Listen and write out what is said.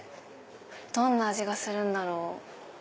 どんな味がするんだろう？